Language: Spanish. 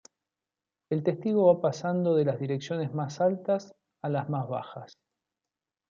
El testigo va pasando de las direcciones más altas a las más bajas.